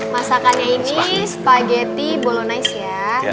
masakannya ini spaghetti bolonis ya